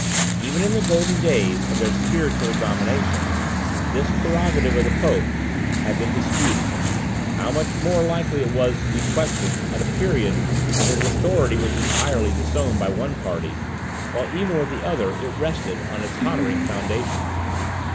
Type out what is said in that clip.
Even in the golden days of their spiritual domination, this prerogative of the Pope had been disputed; how much more likely was it to be questioned at a period when his authority was entirely disowned by one party, while even with the other it rested on a tottering foundation.